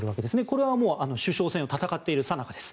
これは首相選を戦っているさなかです。